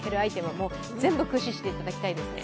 もう全部、駆使していただきたいですよね。